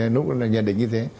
nó cũng là nhận định như thế